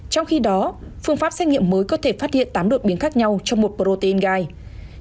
trong khi đó phương pháp xét nghiệm mới có thể phát hiện tám đột biến khác nhau trong một protein gai